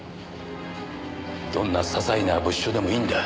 どんな些細な物証でもいいんだ。